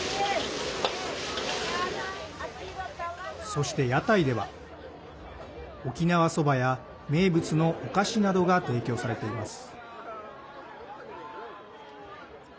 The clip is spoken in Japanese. そして屋台では沖縄そばや、名物のお菓子などが提供されています。